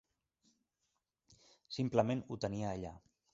Simplement ho tenia allà.